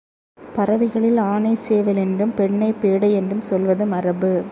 பறவைகளில் ஆணைச் சேவல் என்றும் பெண்ணைப் பேடை என்றும் சொல்வது மரபு.